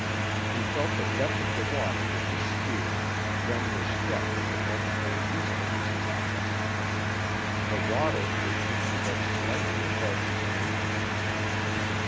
He felt the depth of the water with his spear, then was struck with the multiple usefulness of that weapon. The water would come to but slightly above his ankles.